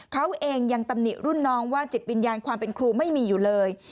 เขาเองยังตำหนิรุ่นน้องว่าจิตวิญญาณความเป็นครูไม่มีอยู่เลย